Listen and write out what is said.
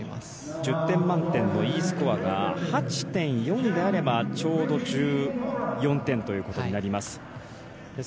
１０点満点のＥスコアが８．４であればちょうど１４点ということになります。